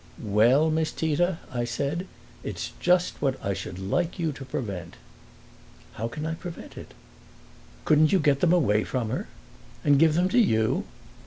"Well, Miss Tita," I said, "it's just what I should like you to prevent." "How can I prevent it?" "Couldn't you get them away from her?" "And give them to you?"